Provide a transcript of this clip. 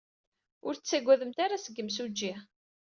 Ur ttaggademt ara seg yimsujji.